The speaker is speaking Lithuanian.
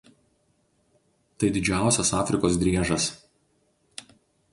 Tai didžiausias Afrikos driežas.